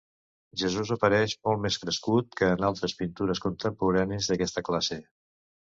Jesús apareix molt més crescut que en altres pintures contemporànies d'aquesta classe.